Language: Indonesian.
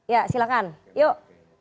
ya silakan yuk